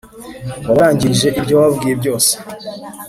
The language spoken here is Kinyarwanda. wabarangirije ibyo wababwiye byose